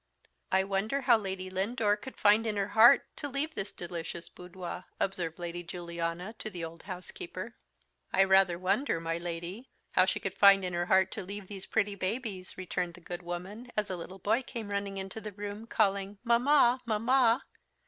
"I wonder how Lady Lindore could find in her heart to leave this delicious boudoir," observed Lady Juliana to the old housekeeper. "I rather wonder, my Lady, how she could find in her heart to leave these pretty babies," returned the good woman, as a little boy came running into the room, calling, "Mamma, mamma!"